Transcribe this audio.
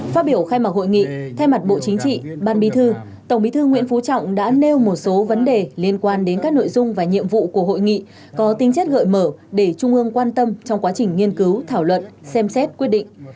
phát biểu khai mạc hội nghị thay mặt bộ chính trị ban bí thư tổng bí thư nguyễn phú trọng đã nêu một số vấn đề liên quan đến các nội dung và nhiệm vụ của hội nghị có tính chất gợi mở để trung ương quan tâm trong quá trình nghiên cứu thảo luận xem xét quyết định